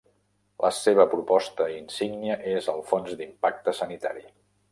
La seva proposta insígnia és el Fons d'Impacte Sanitari.